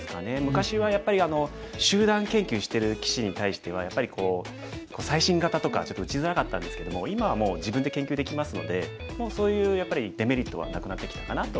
昔はやっぱり集団研究してる棋士に対してはやっぱり最新型とかちょっと打ちづらかったんですけども今はもう自分で研究できますのでそういうやっぱりデメリットはなくなってきたかなと。